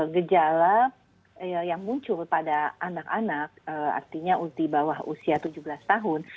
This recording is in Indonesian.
gejala yang muncul pada anak anak artinya di bawah usia tujuh belas tahun